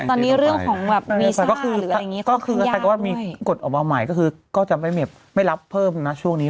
ตอนนี้เรื่องของวีซ่าหรืออะไรอย่างนี้ก็คือมีกฎออกมาใหม่ก็จะไม่รับเพิ่มนะช่วงนี้